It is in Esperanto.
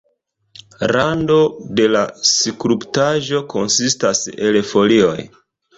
Rando de la skulptaĵo konsistas el folioj.